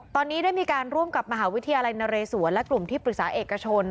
ตอนนี้ได้มีการร่วมกับมหาวิทยาลัยนเรศวรและกลุ่มที่ปรึกษาเอกชน